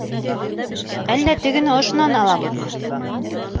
Әллә тегене ошонан алабыҙмы?